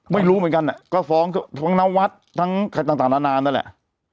ไม่รู้เหมือนกันก็ฟ้องทั้งนวัดทั้งต่างนานานั่นแหละ